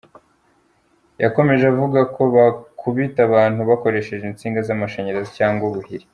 Yakomeje avuga ko “Bakubita abantu bakoresheje insinga z’amashanyarazi cyangwa ubuhiri.